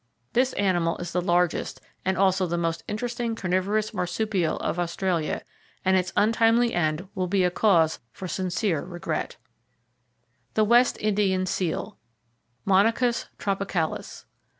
This animal is the largest and also the most interesting carnivorous marsupial of Australia, and its untimely end will be a cause for sincere regret. WEST INDIAN SEAL In the New York Aquarium The West Indian Seal, (Monachus tropicalis).